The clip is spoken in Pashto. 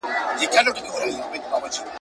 یو خو دا چي نن مي وږي ماشومان دي !.